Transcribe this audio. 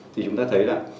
thì chúng ta thấy là